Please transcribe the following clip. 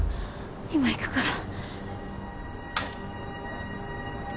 今行くから。